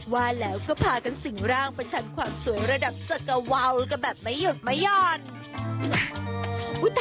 ว่าแล้วก็พากันสิ่งร่างประชันความสวยระดับจักรวาลกันแบบไม่หยุดไม่หย่อน